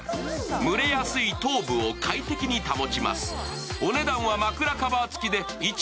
蒸れやすい頭部を快適に保ちます。